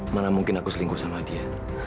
mana mungkin aku selingkuh sama dia